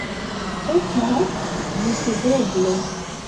Estas nekredeble.